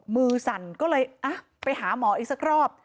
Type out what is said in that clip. สั่นก็เลยไปหาหมออีกสักรอบ